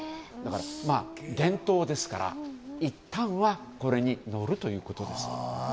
伝統ですからいったんはこれに乗るということですね。